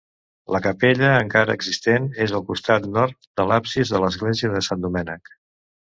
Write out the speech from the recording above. La capella, encara existent, és al costat nord de l'absis de l'església de Sant Domènec.